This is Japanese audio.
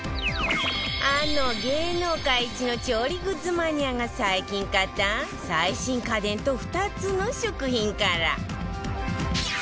あの芸能界一の調理グッズマニアが最近買った最新家電と２つの食品から